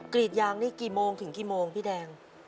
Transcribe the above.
กรีดยางนี่กี่โมงถึงกี่โมงพี่แดง